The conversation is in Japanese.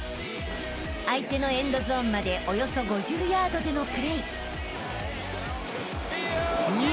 ［相手のエンドゾーンまでおよそ５０ヤードでのプレー］